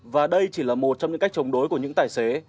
và đây chỉ là một trong những cách chống đối của những tài xế